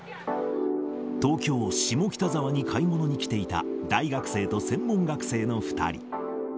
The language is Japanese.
東京・下北沢に買い物に来ていた大学生と専門学生の２人。